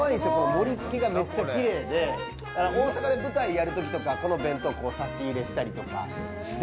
盛りつけがめっちゃきれいで、大阪で舞台やるときとか、この弁当を差し入れしたりとかして。